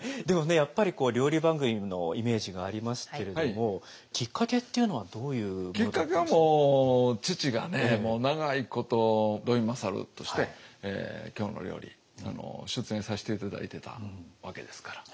やっぱり料理番組のイメージがありますけれどもきっかけっていうのはどういうもの？きっかけはもう父がね長いこと土井勝として「きょうの料理」出演させて頂いてたわけですから。